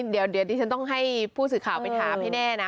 เดี๋ยวดิฉันต้องให้ผู้สื่อข่าวไปถามให้แน่นะ